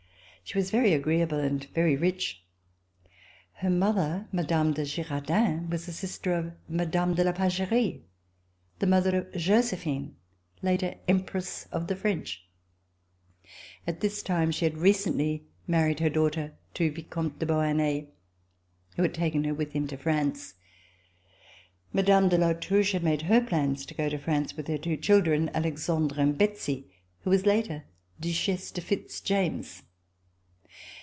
She was very agreeable and very rich. Her mother, Mme. de Girardin, was a sister of Mme. de La Pagerie, the mother of Josephine, later Empress of the French. At this time she had recently married her daughter to Vicomte de Beauharnais, who had taken her with him to France. Mme. de La Touche had made her plans to go to France with her two children, Alexandre and Betsy, who was later Duchesse de Fitz James.